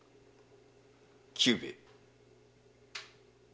久兵衛。